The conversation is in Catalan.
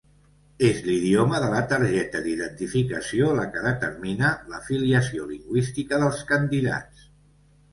És l'idioma de la targeta d'identificació la que determina la filiació lingüística dels candidats.